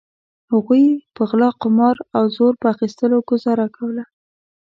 هغوی په غلا قمار او زور په اخیستلو ګوزاره کوله.